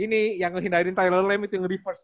ini yang ngelihindahin tyler lamb itu yang lebih baik